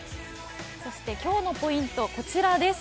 今日のポイント、こちらです。